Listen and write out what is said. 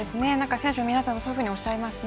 選手の皆さんもそういうふうにおっしゃいますね。